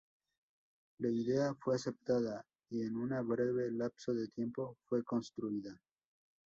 La idea fue aceptada y en un breve lapso de tiempo fue construida.